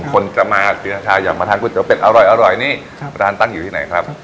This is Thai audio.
คนจะมาปีชาอยากมาทานก๋วเป็ดอร่อยนี่ร้านตั้งอยู่ที่ไหนครับ